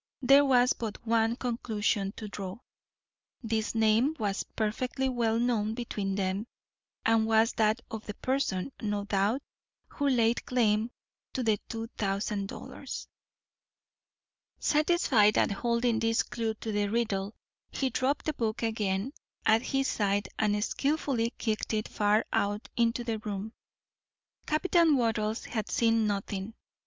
There was but one conclusion to draw. This name was perfectly well known between them, and was that of the person, no doubt, who laid claim to the two thousand dollars. Satisfied at holding this clew to the riddle, he dropped the book again at his side and skilfully kicked it far out into the room. Captain Wattles had seen nothing.